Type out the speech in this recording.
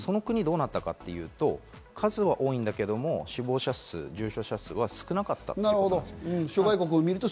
その国はどうなったかというと、数は多いけれども死亡者数、重症者数は少なかったんですよ。